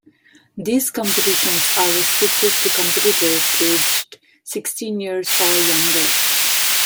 These competitions are restricted to competitors aged sixteen years or younger.